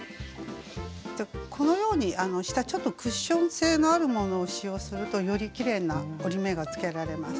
このように下ちょっとクッション性のあるものを使用するとよりきれいな折り目がつけられます。